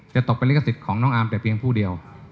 ตกเป็นลิขสิทธิ์ของน้องอาร์มแต่เพียงผู้เดียว